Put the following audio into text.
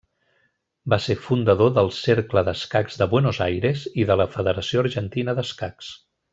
Va ser fundador del Cercle d'Escacs de Buenos Aires i de la Federació Argentina d'Escacs.